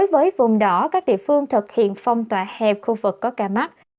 với vùng đỏ các địa phương thực hiện phong tỏa hẹp khu vực có ca mắc